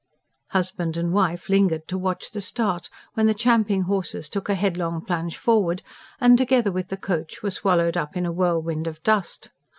Husband and wife lingered to watch the start, when the champing horses took a headlong plunge forward and, together with the coach, were swallowed up in a whirlwind of dust.